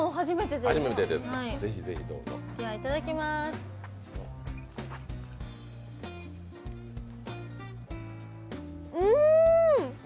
では、いただきます、うーん！